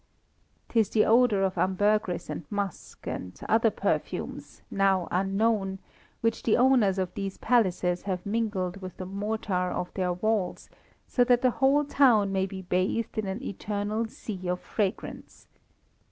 'Tis the odour of ambergris and musk, and other perfumes, now unknown, which the owners of these palaces have mingled with the mortar of their walls so that the whole town may be bathed in an eternal sea of fragrance.